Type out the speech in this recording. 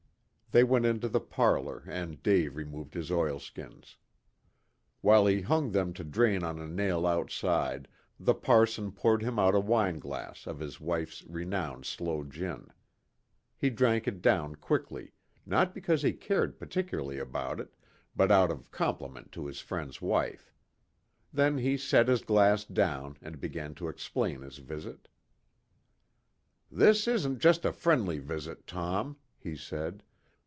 They went into the parlor, and Dave removed his oilskins. While he hung them to drain on a nail outside, the parson poured him out a wineglass of his wife's renowned sloe gin. He drank it down quickly, not because he cared particularly about it, but out of compliment to his friend's wife. Then he set his glass down, and began to explain his visit. "This isn't just a friendly visit, Tom," he said.